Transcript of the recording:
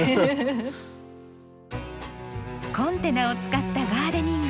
コンテナを使ったガーデニング